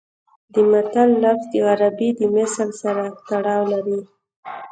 د متل لفظ د عربي د مثل سره تړاو لري